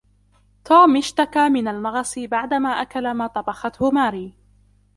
توم اشتكي من المغص بعدما اكل ما طبخته ماري.